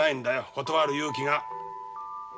断る勇気が。